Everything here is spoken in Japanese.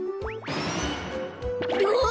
うわ！